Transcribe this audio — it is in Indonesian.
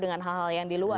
dengan hal hal yang di luar